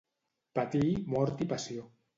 Patir mort i passió.